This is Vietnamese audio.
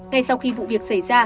ngay sau khi vụ việc xảy ra